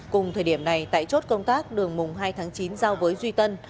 cùng thời điểm này tại chốt công tác đường mùng hai tháng chín giao với duy tân